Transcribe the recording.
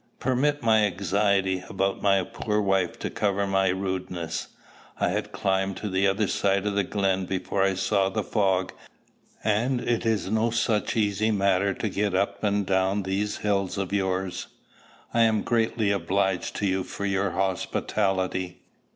"Permit my anxiety about my poor wife to cover my rudeness. I had climbed the other side of the glen before I saw the fog; and it is no such easy matter to get up and down these hills of yours. I am greatly obliged to you for your hospitality.